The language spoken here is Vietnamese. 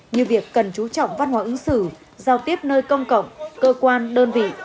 như việc cần chú trọng văn hóa ứng xử giao tiếp nơi công cộng cơ quan đơn vị